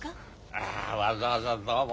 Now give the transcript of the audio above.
ああわざわざどうも。